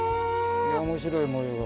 面白い模様が。